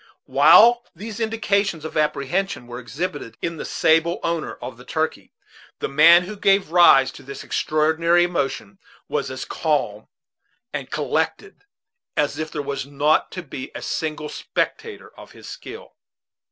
While these indications of apprehension were exhibited in the sable owner of the turkey, the man who gave rise to this extraordinary emotion was as calm and collected as if there was not to be a single spectator of his skill.